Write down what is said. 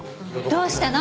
どうしたの？